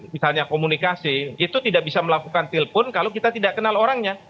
misalnya komunikasi itu tidak bisa melakukan telpon kalau kita tidak kenal orangnya